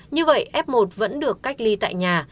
như vậy f một vẫn được cách ly tại nhà